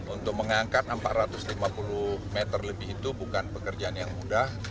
untuk mengangkat empat ratus lima puluh meter lebih itu bukan pekerjaan yang mudah